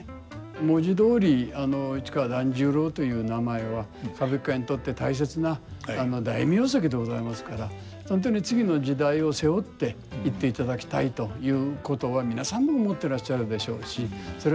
文字どおり市川團十郎という名前は歌舞伎界にとって大切な大名跡でございますから本当に次の時代を背負っていっていただきたいということは皆さんも思ってらっしゃるでしょうしそれはもう間違いないと思います。